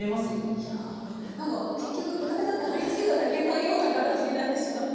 いやあ何か結局ペタペタって貼り付けただけのような形になってしまって。